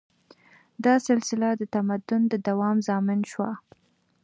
دا سلسله د تمدن د دوام ضامن شوه.